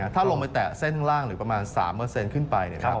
ถ้าลงไปแตะเส้นข้างล่างหรือประมาณ๓ขึ้นไป